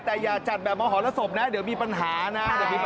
แต่อย่าจัดแบบมหรสบนะเดี๋ยวมีปัญหานะ